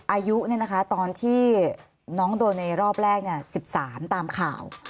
อายุตอนที่น้องโดนในรอบแรก๑๓ตามข่าว